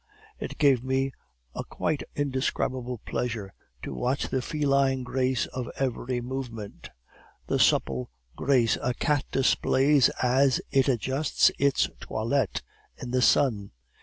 It gave me a quite indescribable pleasure to watch the feline grace of every movement; the supple grace a cat displays as it adjusts its toilette in the sun.